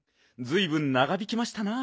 ずいぶんながびきましたな。